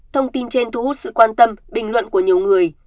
thông tin trên thu hút sự quan tâm bình luận của nhiều người